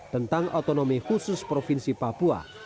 tentang otonomi khusus provinsi papua